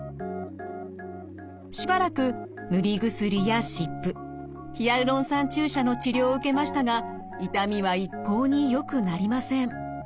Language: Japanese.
しばらく塗り薬や湿布ヒアルロン酸注射の治療を受けましたが痛みは一向によくなりません。